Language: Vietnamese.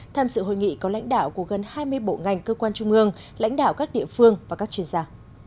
tham sự hội nghị có lãnh đạo của gần hai mươi bộ ngành cơ quan trung ương lãnh đạo các địa phương và các chuyên gia